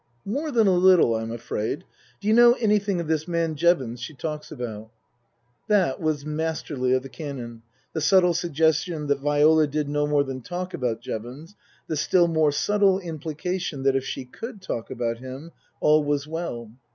" More than a little, I'm afraid. Do you know any thing of this man Jevons she talks about ?" That was masterly of the Canon, the subtle suggestion that Viola did no more than talk about Jevons, the still more subtle implication that if she could talk about him all was well.